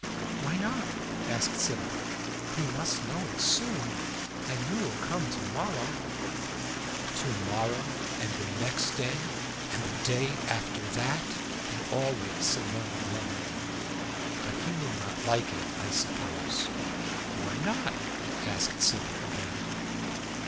"Why not?" asked Sybil. "He must know it soon, and you will come to morrow." "To morrow, and the next day, and the day after that, and always," said Ronald, lovingly. "But he will not like it, I suppose." "Why not?" asked Sybil, again.